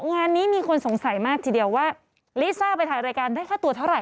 งานนี้มีคนสงสัยมากทีเดียวว่าลิซ่าไปถ่ายรายการได้ค่าตัวเท่าไห